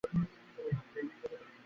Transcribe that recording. প্রাপ্তবয়স্ক, সব গা ঘেঁষাঘেঁষি করে বসে।